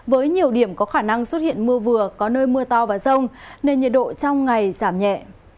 với nhiều điểm có khả năng xuất hiện mưa vừa có nơi mưa to và rông nên nhiệt độ trong ngày giảm nhẹ